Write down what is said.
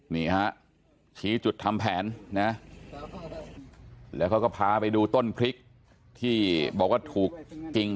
นี่ฮะชี้จุดทำแผนนะแล้วเขาก็พาไปดูต้นพริกที่บอกว่าถูกกิ่ง